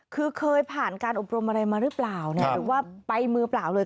คือเคยผ่านการอบรมอะไรมาหรือเปล่าหรือว่าไปมือเปล่าเลย